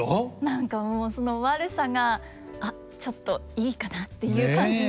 何かその悪さが「あっちょっといいかな」っていう感じに。